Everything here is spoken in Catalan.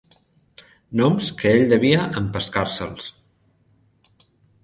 Noms que ell devia empescar-se'ls